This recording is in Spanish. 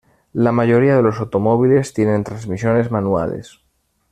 La mayoría de los automóviles tienen transmisiones manuales.